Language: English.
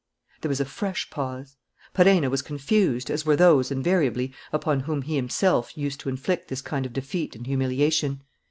There was a fresh pause. Perenna was confused, as were those, invariably, upon whom he himself used to inflict this kind of defeat and humiliation.